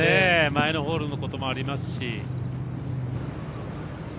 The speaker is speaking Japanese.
前のホールのこともありますし。